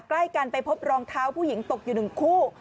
ใกล้กันไปพบรองเท้าผู้หญิงตกอยู่๑คู่